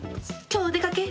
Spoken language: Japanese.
今日お出かけ？